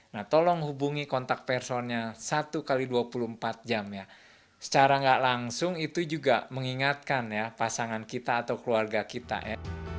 nah tolong hubungi kontak personnya satu x dua puluh empat jam ya secara nggak langsung itu juga mengingatkan ya pasangan kita atau keluarga kita ya